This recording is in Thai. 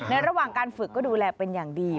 ระหว่างการฝึกก็ดูแลเป็นอย่างดี